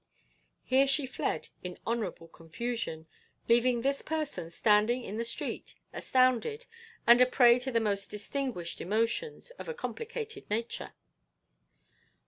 Here she fled in honourable confusion, leaving this person standing in the street, astounded, and a prey to the most distinguished emotions of a complicated nature.